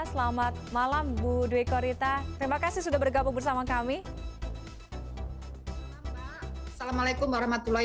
selamat malam bu dwi korita terima kasih sudah bergabung bersama kami